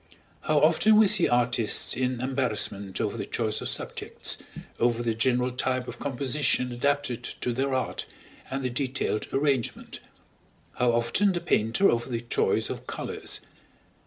How often we see artists in embarrassment over the choice of subjects, over the general type of composition adapted to their art, and the detailed arrangement; how often the painter over the choice of colors!